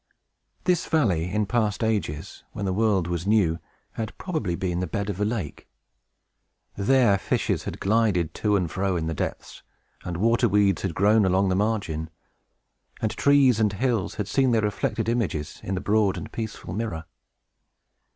This valley, in past ages, when the world was new, had probably been the bed of a lake. There, fishes had glided to and fro in the depths, and water weeds had grown along the margin, and trees and hills had seen their reflected images in the broad and peaceful mirror.